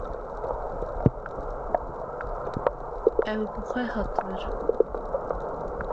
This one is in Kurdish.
Ew bi xwe hat vir.